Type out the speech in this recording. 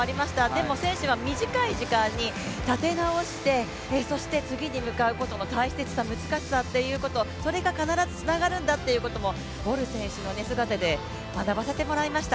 でも、選手は短い時間に立て直して、そして次に向かうことの大切さ、難しさっていうこと、それが必ずつながるんだということもボル選手の姿で学ばせてもらいました。